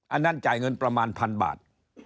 อันนั้นจ่ายเงินประมาณพันบาท